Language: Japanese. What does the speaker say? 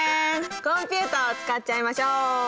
コンピューターを使っちゃいましょう！